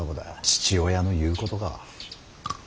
父親の言うことか。